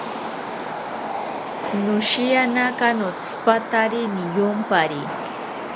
Noshiyanaka notzipatari niyompari